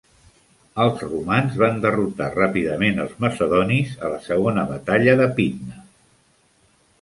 Els romans van derrotar ràpidament els macedonis a la segona batalla de Pydna.